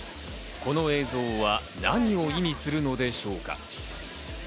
この映像は何を意味するのでしょうか？